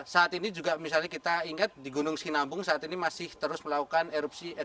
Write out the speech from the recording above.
saat ini juga misalnya kita ingat di gunung sinabung saat ini masih terus melakukan erupsi